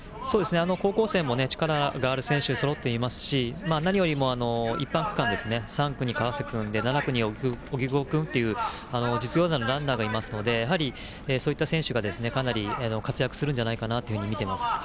高校生も力のある選手がそろっていますし何より、一般区間３区に川瀬君７区に荻久保君という実業団のランナーがいますのでそういった選手が、かなり活躍するんじゃないかと見てます。